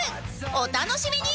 お楽しみに！